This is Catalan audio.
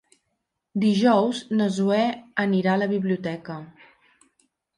Dijous na Zoè anirà a la biblioteca.